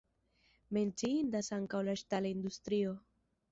Menciindas ankaŭ la ŝtala industrio.